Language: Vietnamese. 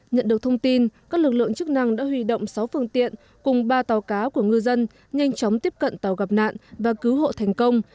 nhận được thông tin các lực lượng chức năng đã huy động sáu phương tiện cùng ba tàu cá của ngư dân nhanh chóng tiếp cận tàu gặp nạn và cứu hộ thành công